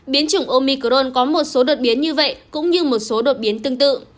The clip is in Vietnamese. biến chủng omicron có một số đột biến như vậy cũng như một số đột biến tương tự